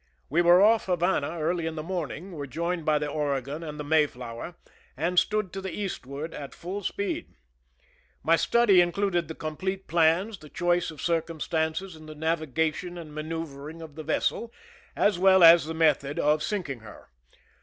We were off Havana early in the SHAPE OF THE TORPEDOES USED TO SINK THE "MERRIMAC." morning, were joined by the Oregon and the May flower^ and stood to the eastward at full speed. My study included the complete plans, the choice of circumstances, and the navigation and manoeu vering of the vessel, as well as the method of sink ing her.